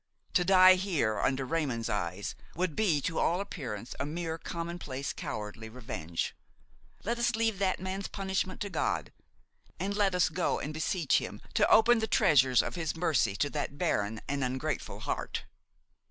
To die here, under Raymon's eyes, would be to all appearance a mere commonplace, cowardly revenge. Let us leave that man's punishment to God; and let us go and beseech Him to open the treasures of His mercy to that barren and ungrateful heart."